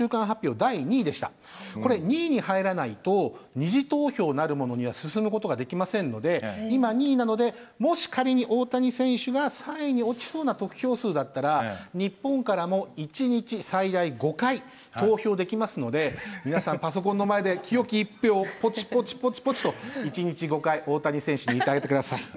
これ２位に入らないと２次投票なるものには進むことができませんので今２位なのでもし仮に大谷選手が３位に落ちそうな得票数だったら日本からも一日最大５回投票できますので皆さんパソコンの前で清き１票をポチポチポチポチと一日５回大谷選手に入れてあげてください。